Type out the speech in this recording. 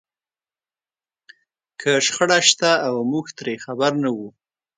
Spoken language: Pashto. که شخړه شته او موږ ترې خبر نه وو.